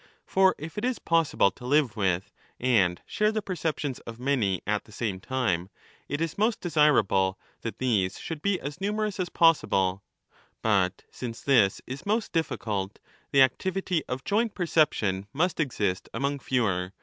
For if it is possible to live vAth and share the perceptions of many at the same time, it is most desir able that these should be as numerous as possible ; but since this is most difficult, the activity of joint perception must exist among fewer.